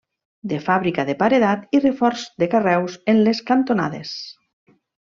De fàbrica de paredat i reforç de carreus en les cantonades.